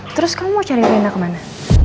terus kamu mau cari cerita kemana